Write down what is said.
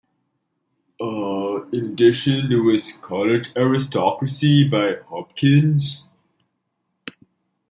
In addition, there was "Colored Aristocracy" by Hopkins.